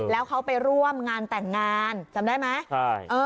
แล้วเขาไปร่วมงานแต่งงานจำได้ไหม